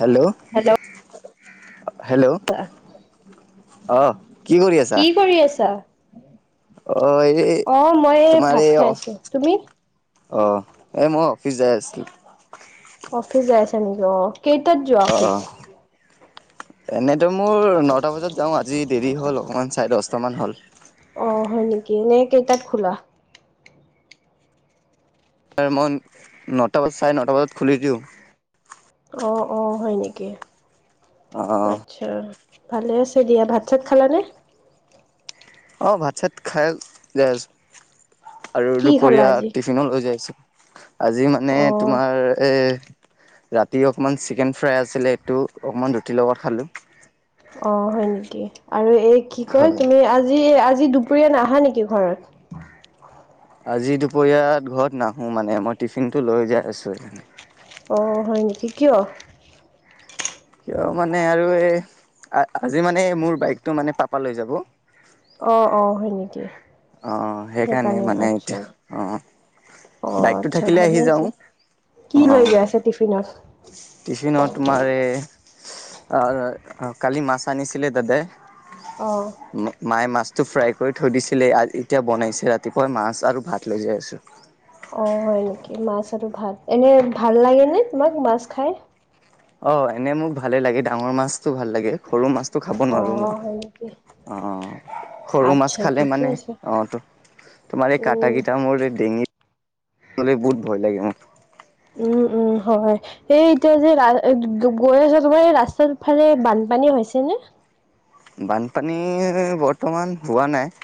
Hello hello hello অ। কি কৰি আছা? আহ, এই অ মই তোমাৰ ভাত এই খাই অ। আছো। তুমি? অঁ এই মই অফিচ যাই আছিলোঁ। অফিচ যাই আছে নেকি? অ'। কেইটাত যোৱা? অ', অফিচ? অ'। এনেতো মোৰ নটা বজাত যাওঁ, আজি দেৰি হ'ল অকমান চাৰে দহটা মান হ'ল। অ হয় নেকি? এনে কেইটাত খোলা। তাৰ মই নটা বজাত চাৰে নটা বজাত খুলি দিওঁ। অ', অ', হয় নেকি? অ'। আচ্ছা' ভালে আছে দিয়া ভাত চাত খালানে? অ' ভাত চাত খাই যাই আছো আৰু কি খালা দুপৰীয়া আজি? টিফ। লৈ যাইছো, আজি মানে অ তোমাৰ এ। ৰাতি অকণমান চিকেন ফ্ৰাই আছিলে এইটো অকণমান ৰুটিৰ লগত খালোঁ। অ', হয় নেকি আৰু এই কি কয় হয় তুমি আজি আজি দুপৰীয়া নাহা নেকি ঘৰত? আজি দুপৰীয়াত ঘৰত নাহোঁ মানে মই টিফিনটো লৈ যাই আছোঁ সেইকাৰণে। অ', হয় নেকি কিয়? কিয় মানে আৰু এই আজি মানে মোৰ বাইকটো মানে পাপালৈ যাব। অ', অ', হয় নেকি। অ', সেইকাৰণে মানে এইটো অ'। অ বাইকটো আচ্ছা থাকিলে ভালে আহি যাওঁ আছে। কি অ'। লৈ গৈ আছা টিফিনত? টিফিনত তোমাৰ এ আহ কালি মাছ আনিছিলে দাদায়ে অ'। মায়ে মাছটো ফ্ৰাই কৰি থৈ দিছিলে এতিয়া বনাইছে ৰাতিপুৱাই মাছ আৰু ভাত লৈ যায় আছো। অ', হয় নেকি মাছ আৰু ভাত এনে ভাল লাগে নে তোমাক মাছ খাই? অ', এনেই মোক ভালে লাগে ডাঙৰ মাছতো ভাল লাগে সৰু মাছটো খাব অ নোৱাৰো মই। হয় নেকি অ', সৰু মাছ আচ্ছা খালে ঠিকে মানে আছে অ' ত তোমাৰ এই উম কটাকিটা মোৰ এই ডিঙিত বহুত ভয় লাগে মোৰ। উম, উম, হয়। এই এতিয়া যে গৈ ৰাৰ আছা যে ৰাস্তাৰফালে বানপানী হৈছে নে? বানপানী বৰ্তমান হোৱা নাই।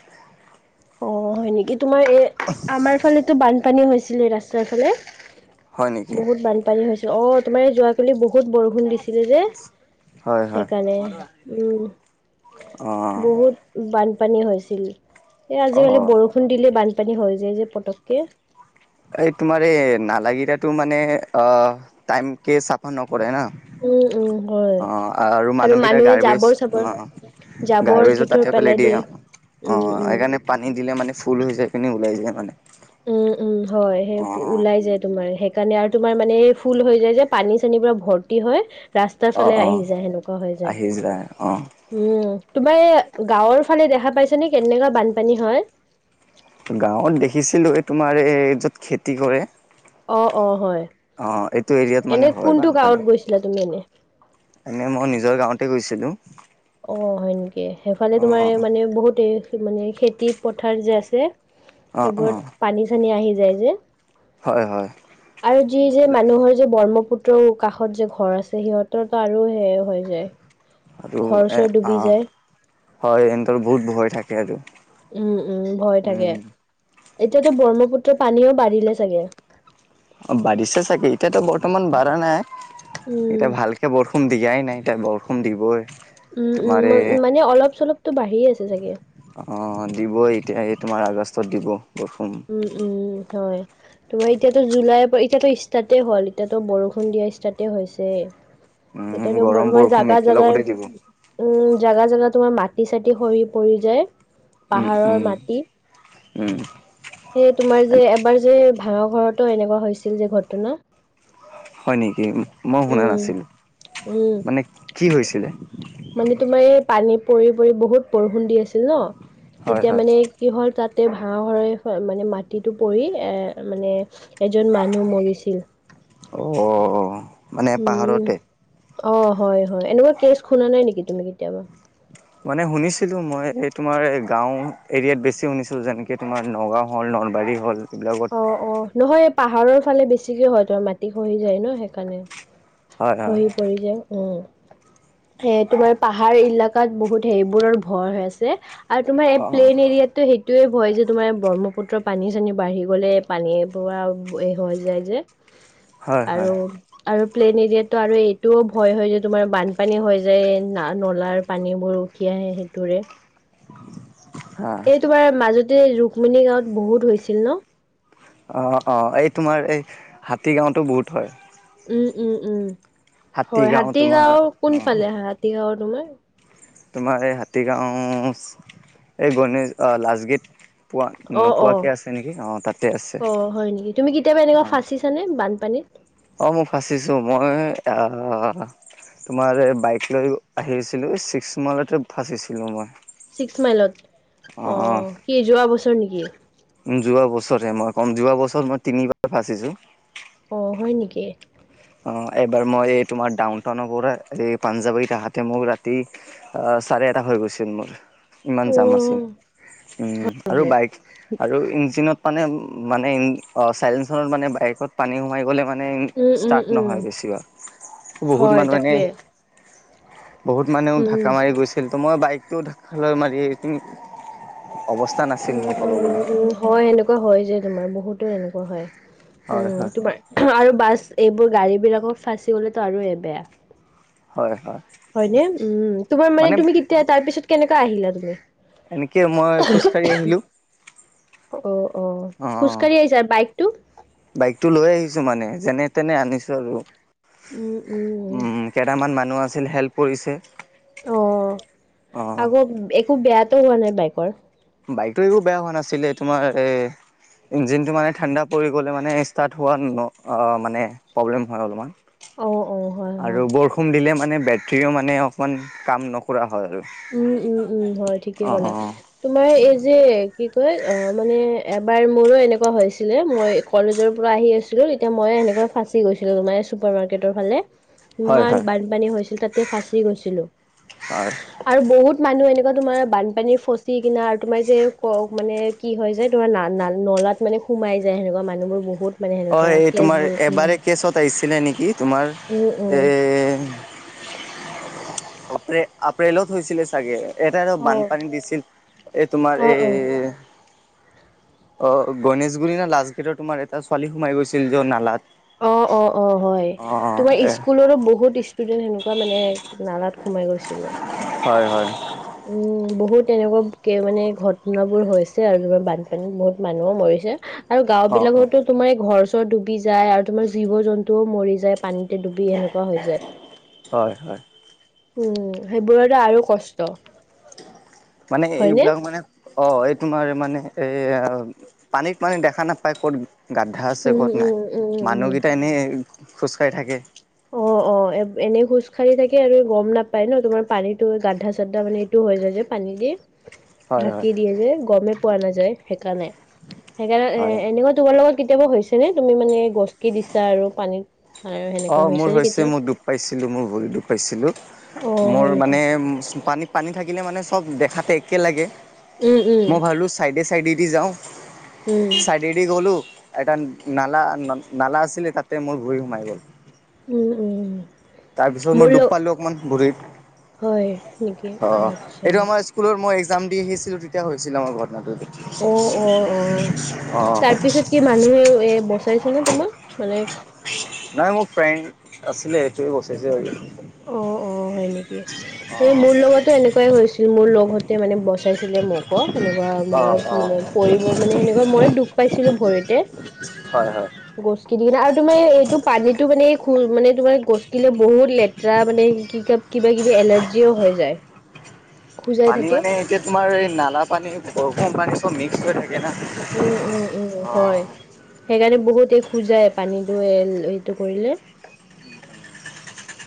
অ', হয় নেকি তোমাৰ এ আমাৰ ফালেতো বানপানী হৈছিলে ৰাস্তাৰ ফালে। হয় নেকি? বহুত বানপানী হৈছিল, অ' তোমাৰ যোৱা কালি বহুত বৰষুণ দিছিলে যে হয় হয় সেইকাৰণে উম। অ'। বহুত বানপানী হৈছিল। এ আজিকালি অ' বৰষুণ দিলে বানপানী হৈ যায় যে পতকে। এই তোমাৰ এই নালাগিৰাটো মানে আহ টাইম কেে চাফা নকৰে না। উম, উম, হয় অ' আৰু মানুহকেইটা মানুহে গাৰ্বেজ জাবৰ চাবৰ অ' জাবৰ জোথৰ পেলাই দিয়ে উম অ' উম। সেইকাৰণে পানী দিলে মানে ফুল হৈ যায় পিনি ওলাই যায় মানে। উম, উম, হয় সেই অ' ওলাই যায় তোমাৰ হেক সেইকাৰণে আৰু তোমাৰ মানে এই ফুল হৈ যায় যে পানী চানীবিলাক ভৰ্তি হয়। ৰাস্তাৰ অ' ফালে আহি অ' যায় সেনেকুৱা হৈ যায়। আহি অ' উম, তোমাৰ এই গাঁৱৰফালে দেখা পাইছানে কেনেকুৱা বানপানী হয়? গাঁৱত দেখিছিলো এই তোমাৰ এই য'ত খেতি কৰে। অ', অ', অ', হয় এইটো এৰিয়াত এনে মানে হয় কোনটো গাঁৱত বানপানী। গৈছিলা তুমি এনে? এনে মই নিজৰ গাঁৱতে গৈছিলো। অ', হয় নেকি সেইফালে তোমাৰ এই মানে বহুত মানে খেতি পথাৰ যে আছে। অ', সেইবোৰত অ', পানী চানী আহি যায় যে। হয়, হয় আৰু যি যে মানুহৰ ব্ৰহ্মপুত্ৰৰ কাষত যে ঘৰ আছে সিহঁতো আৰু শেষ হৈ যায়। আৰু ঘৰ এ চৰ আ ডুবি যায়। হয় ইহঁতৰ বহুত ভয় থাকে আৰু। উম, উম, ভয় থাকে। উম, এতিয়াতো ব্ৰহ্মপুত্ৰ পানীও বাঢ়িলে চাগে। অ', বাঢ়িছে চাগে এতিয়াতো বৰ্তমান বাঢ়া নাই। উম। এতিয়া ভালকে বৰষুণ দিয়াই নাই এতিয়া বৰষুণ দিবই। উম উম তোমাৰে মানে অলপ চলপতো বাঢ়িয়ে আছে চাগে। অ' দিবই এতিয়া এই তোমাৰ আগষ্টত দিব বৰষুন। উম উম হয়। তোমাৰ এতিয়াতো জুলাইৰ পৰা এতিয়াতো ষ্টাৰ্টেই হ'ল এতিয়াতো বৰষুণ দিয়া ষ্টাৰ্টেই হৈছে। উম, তেতিয়া তম গৰম তোমাৰ বৰষুণ জাগা একেলগতে জাগাই। দিব উম জাগা জেগা তোমাৰ মাটি চাটি সৰি পৰি যায়। উম পাহাৰৰ উম মাটি উম। সেই তোমাৰ যি এবাৰ যে ভাঙৰ ঘৰতো এনেকুৱা হৈছিল যে ঘটনা। হয় নেকি মই শুনা উম নাছিলোঁ উম মানে কি হৈছিলে। মানে তোমাৰ এই পানী পৰি পৰি বহুত বৰষুণ দি আছিল ন হয়, তেতিয়া হয় মানে। কি হ'ল তাতে ভাঁহ ঘৰে মানে মাটিটো পৰি এ মানে। এজন মানুহ মৰিছিল। অ'। মানে উম পাহাৰতে অ' হয় হয় এনেকুৱা কেচ শুনা নাই নেকি তুমি কেতিয়াবা। মানে শুনিছিলোঁ মই এই তোমাৰ গাঁও এৰিয়াত বেছি শুনিছিলোঁ যেনেকৈ তোমাৰ নগাঁও হ'ল নলবাৰী হ'ল। এইবিলাকত অ' অ' নহয় পাহাৰৰ ফালে বেছিকে হয় তোমাৰ মাটি খহি যায় ন সেইকাৰণে। হয় হয় খহি পৰি যায়। উম এ তোমাৰ পাহাৰ এলেকাত বহুত সেইবোৰৰ ভয় হৈ আছে। আৰু তোমাৰ এই অঁ প্লেইন এৰিয়াত টো সেইটোৱে ভয় যে তোমাৰ ব্ৰহ্মপুত্ৰ পানী চানী বাঢ়ি। গ'লে পানী পৱা হৈ যায় যে হয় হয় আৰু। আৰু প্লেইন এৰিয়াতটো আৰু এইটোও ভয় হয় যে তোমাৰ বানপানী হৈ যায় ন নলাৰ পানীবোৰো। উটিয়াহে সেইটোৰে। অঁ এই তোমাৰ মাজতে ৰুক্মিণী গাঁৱত বহুত হৈছিল ন। অ' অ' এই তোমাৰ এই হাতী গাঁওতো বহুত হয়। উম উম উম হাতী হয় গাঁও তোমাৰ হাতীগাঁওৰ কোন অঁ ফালে হাতীগাঁওৰ তোমাৰ। তোমাৰ এই হাতীগাঁও এই গণেশ লাজগিট। পোৱা অ', অ', নোপোৱাকৈ আছে নেকি অ' তাতে আছে অ', হয় নেকি? তুমি কেতিয়াবা এনেকুৱা অ'। ফাঁচিছানে বানপানীত। অ' মই ফাঁচিছো মই আহ। তোমাৰ যে বাইক লৈ আহি আছিলো ছিক্স মাইলতে ফাঁচিছিলো মই। ছিক্স মাইলত অ' কি যোৱা বছৰ নেকি। উম যোৱা বছৰে মই ক'ম যোৱা বছৰত মই তিনিবাৰ ফাচিছো। অ' হয় নেকি। অ' এইবাৰ মই এই তোমাৰ ডাউনটাউনৰ পৰা এই পাঞ্জাবৰি আহাতে মই ৰাতি। অ' চাৰে এটা হৈ গৈছিল মোৰ। ইমান অ জাম আছিল উম আৰু নেকি? বাইক আৰু ইঞ্জিনত। মানে মানে চাইলেঞ্চত মানে বাইকত পানী সোমাই গ'লে মানে উম উম ষ্টাৰ্ট।। উম নহয় বেছিভাগ বহুত হয় মানুহে। তাকে বহুত মানেও উম ঢাকা মাৰি গৈছিল তোমাৰ বাইকটো ঢাকা মাৰি। অৱস্থা নাছিল উম মই ক'ব উম গ'লে। উম হয় এনেকুৱা হয় যে তোমাৰ বহুতো এনেকুৱা হয় উম তোমাৰ। আৰু বাছ এইবোৰ গাড়ী বিলাকত ফাঁচি গলেতো আৰু বেয়া। হয় হয়। হয়নে তোমাৰ মানে তুমি কেতিয়া তাৰ পিছত কেনেকা আহিলা তুমি। এনেকে মই খোজকাঢ়ি আহিলো। অ অ' খোজকাঢ়ি আহিছা, বাইকটো? বাইকতটো লৈ আহিছো মানে, যেনে তেনে আনিছো আৰু। উম উম' উম উম' কেটামান মানুহ আছিল হেল্প কৰিছে। অঁ, অ আগত একো বেয়াতো হোৱা নাই বাইকৰ? বাইকতো একো বেয়া হোৱা নাছিলেই তোমাৰ এই- ইঞ্জিনটো মানে ঠাণ্ডা পৰি গ'লে মানে ষ্টাৰ্ট হোৱা ন অঁ মানে- প্ৰব্লেম হয় অলমান। অঁ অঁ' আৰু বৰষুণ দিলে মানে বেটৰিও মানে অকমান কাম নকৰা হয় আৰু। উম উম উম' হয় ঠিকেই অঁ কলা। অঁ তোমাৰ এই যে কি কয় অঁ মানে এবাৰ মোৰো এনেকুৱা হৈছিলে মই- কলেজৰ পৰা আহি আছিলো তেতিয়া মই সেনেকে ফাঁচি গৈছিলো তোমাৰ চুপাৰ মাৰ্কেটৰ ফালে। হয় ইমান হয় বানপানী হৈছিল তাতে ফাঁচি গৈছিলো। আৰ- আৰো বহুত মানুহ এনেকুৱা তোমাৰ বানপানী ফচি কিনা আৰু তোমাৰ যে ক মানে- কি হয় যে তোমাৰ না ন নলাত মানে সোমাই যায় সেনেকুৱা মানুহবোৰ বহুত। মানে অ সেনেকুৱা এই তোমাৰ কেচবোৰ এবাৰে উম, কেছত আহিছিলে নেকি তোমাৰ, উম, উম, এ- অপ্ৰে আপ্ৰেলত হৈছিলে চাগে। ইয়াতে আৰু অ', বানপানী দিছিল এই তোমাৰ অ', অ'। এই- অ গণেশগুৰি নে লাষ্ট গেটৰ তোমাৰ এটা ছোৱালী সোমাই গৈছিল য নালাত। অ অ অ' হয়, অ অ তোমাৰ এ স্কুলৰো বহুত ষ্টু- ষ্টুডেণ্ট সেনেকুৱা মানে নালাত সোমাই গৈছিলে। হয় হয়। উম বহুত এনেকুৱা কে মানে ঘটনাবোৰ হৈছে আৰু তুমাৰ বানপানীত বহুত মানুহো মৰিছে। আৰু গাঁও অ অ বিলাকতো তোমাৰ এই ঘৰ চৰ ডুবি যায় আৰু তোমাৰ জীৱ জন্তুও মৰি যায় পানীত- টো ডুবি সেনেকুৱা হৈ যায়। হয় হয় উম' সেইবোৰতে আৰু কষ্ট- ত। মানে সে এইবিলাক মানে- অ' এই তোমাৰ মানে এই পানীত মানে দেখা নাপায় ক'ত- গাদ্ধা আছে উম, ক'ত নাই উম, উম, উম। মানুহগেইটা এনেই খোজকাঢ়ি থাকে। অ অ' অ' এ এনেই খোজকাঢ়ি থাকে আৰু গম নাপায় ন তোমাৰ পানীটো গাদ্ধা চাদ্দা মানে এইটো হৈ যায় যে পানী দি। [inaudible] হয় হয় ঢাকি দিয়ে যে গমেই পোৱা নাযায় সেইকাৰণে, সেইকাৰণে এ হয় এনেও তোমাৰ লগত- কেতিয়াবা হৈছে নে তুমি মানে গছ কি দিছা আৰু পানীত সাৰ- অ' মোৰ হৈছে মই দুখ পাইছিলো মোৰ ভৰি দুখ পাইছিলো, অ হয় মোৰ নেকি? মানে পানীত- পানী থাকিলে মানে চব দেখাতে একে লাগে। উম উম মই ভাবিলোঁ ছাইডে চাইডেদি যাওঁ- উম' চাইডেদি গ'লো এটা নালা নালা আছিলে তাতে মোৰ ভৰি সোমাই গ'ল। উম উম' তাৰপিছত মই মোৰ দুখ লগ পালো অকমান হয় নেকি ভৰিত। অ অঁ আচ্ছা। এইটো আমাৰ- স্কুলত মই এক্সাম দি আহিছিলোঁ তেতিয়া হৈছিলে আমাৰ ঘটনাটো এইটো। অ অ অ' তাৰপিছত কি মানুহে এ বচাইছে ন তোমাক। মানে- নাই মোৰ ফ্ৰেণ্ড আছিলে সেইটোৱে বচাইছে আৰু। অ অ হয় নেকি? এ মোৰ লগতো এনেকুৱাই হৈছিল মোৰ লগহতে মানে বচাইছিলে মক এনেকুৱা মই অ' অ' অ' মানে পৰিব মানে সেনেকুৱা মই দুখ পাইছিলো ভৰিতে হয় হয়। গছকি দি কিনে আৰু তোমাৰ এইটো পানীতো মানে খু মানে তোমাৰ গছকিলে বহুত লেতেৰা মানে কি কাব কিবা কিবি এলাৰ্জিও হৈ যায়। খোজাই পানী থাকে মানে এতিয়া তোমাৰ এই নালা পানী বৰষুণ পানী চব মিক্স হৈ থাকে না। উম, উম, উম। অ' হয়, সেইকাৰণে বহুতে খুজায় পানীটো এল এইটো কৰিলে।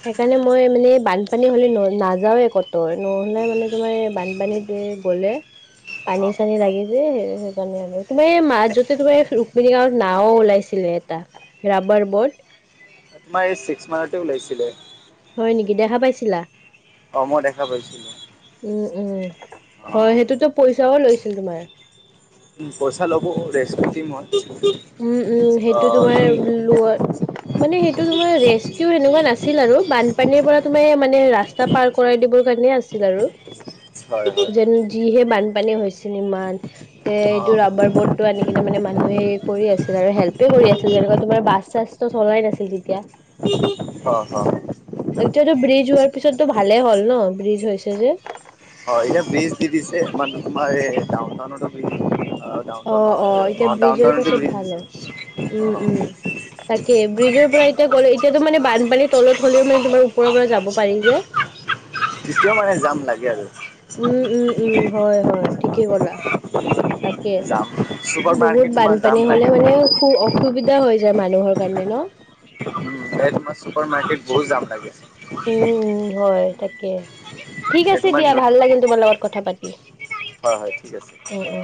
সেইকাৰণে মই মানে বানপানী হ'লে ন নাযাওঁয়ে কত নহ'লে মানে তোমাৰ এ বানপানীত এ গলে, পানী অ' চানী লাগি যে সে সেইকাৰণে আৰু তোমাৰ এই মা যতে তোমাৰ ৰুক্মিণী গাঁৱত নাও ওলাইছিলে এটা। ৰাবাৰ ব'ৰ্ড তোমাৰ এই ছিক্স মাইলতে ওলাইছিলে। হয় নেকি? দেখা পাইছিলা। অ মই দেখা পাইছ [unintelligible] উম, উম হয় সেইটোত পইচাও লৈছিল তোমাৰ। পইচা ল'ব ৰেষ্টকিউ টিমত। উম, উম! সেইটো অ' বাৰে যোন লোৱত মানে সেইটো তোমাৰ ৰেচকিউ সেনেকুৱা নাছিল আৰু বানপানীৰ পৰা তুমাৰ মানে ৰাস্ত স্তা, পাৰ কৰাই দিবৰ কাৰণে আছিল আৰু। হয় যেন যিহে বানপানী হৈছিল ইমান, এ হয় এইটো ৰাবাৰ ব'ৰ্ট টো আনি কিনে মানে মানুহেই কৰি আছিল আৰু হেল্পে কৰি আছিল যেনেকুৱা তোমাৰ বাছ চাছ চলাই নাছিল তেতিয়া। অ অ। এতিয়াতো ব্ৰিজ হোৱাৰ পিছতটো ভালেই হ'ল ন, ব্ৰিজ হৈছে যে। হয়, এয়া ব্ৰিজ দি দিছে! মান মায়ে ডাউন টাউনতো ব্রিজ [unintelligible] অ', নহয় এতিয়া অ টাউন ব্ৰিজৰ টাউনতো পাছত ব্রিজ ভাল দিছে। হ'ল। অ উম, উম। তাকে ব্ৰিজৰ পৰা এতিয়া গ'লে এতিয়াতো মানে, বানপানীৰ তলত হ'লেও মানে তোমাৰ ওপৰৰ পৰা যাব পাৰি যে। তিছকৌ মানে যাম লাগে আৰু। উম, উম, উম হয়, হয় ঠিকেই ক'লা। তাকে, যাম চুপাৰ বহুত মাৰ্কেট তোমাৰ যাম বানপানী হলে লাগে উম মানে সু অ সুবিধা হৈ যায় মানুহৰ কাৰণে ন। উম, এ তোমাৰ চুপাৰ মাৰ্কেট বহুত জাম লাগে। উম, হয় তাকে, ঠিক এই আছে তোমাৰ দিয়া, ন ভাল লাগিল তোমাৰ লগত কথা পাতি। হয়, হয় ঠিক আছে। উম, উম।